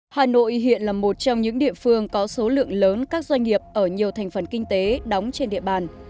hà nội hiện là một trong những địa phương có số lượng lớn các doanh nghiệp ở nhiều thành phần kinh tế đóng trên địa bàn